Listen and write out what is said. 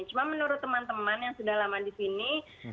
cuma menurut teman teman yang sudah lama di sini